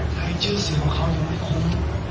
แต่ไอ้ชื่อเสียงของเขายังไม่คุ้ม